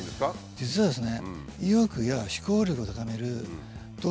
実はですね